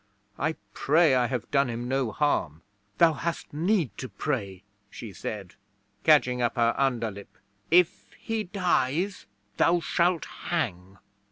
I pray I have done him no harm." '"Thou hast need to pray," she said, catching up her underlip. "If he dies, thou shalt hang."